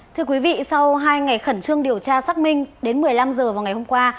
thưa quý vị sau hai ngày khẩn trương điều tra xác minh đến một mươi năm h vào ngày hôm qua